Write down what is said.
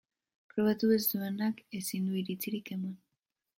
Probatu ez duenak ezin du iritzirik eman.